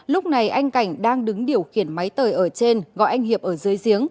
lúc này anh cảnh đang đứng điều khiển máy tời ở trên gọi anh hiệp ở dưới giếng